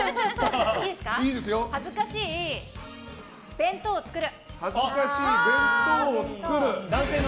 恥ずかしい弁当を作る。